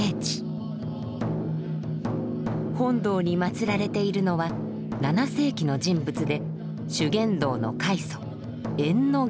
本堂にまつられているのは７世紀の人物で修験道の開祖役行者。